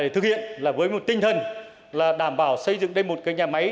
thực hiện là với một tinh thần là đảm bảo xây dựng đây một nhà máy